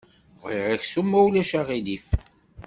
Bɣiɣ aksum ma ulac aɣilif.